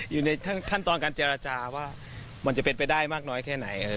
อยู่ในขั้นตอนการเจรจาว่ามันจะเป็นไปได้มากน้อยแค่ไหน